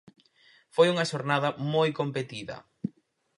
Foi unha xornada moi competida.